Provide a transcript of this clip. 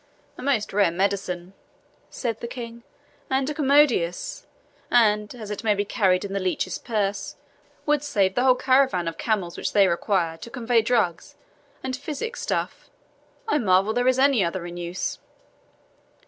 "A most rare medicine," said the King, "and a commodious! and, as it may be carried in the leech's purse, would save the whole caravan of camels which they require to convey drugs and physic stuff; I marvel there is any other in use."